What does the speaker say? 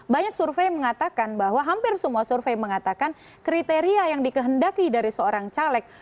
banyak survei mengatakan bahwa hampir semua survei mengatakan kriteria yang dikehendaki dari seorang caleg